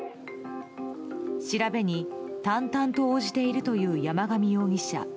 調べに淡々と応じているという山上容疑者。